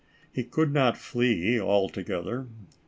He could not flee altogether.